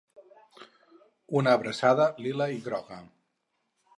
Una abraçada lila i groga!